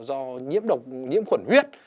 do nhiễm độc nhiễm khuẩn huyết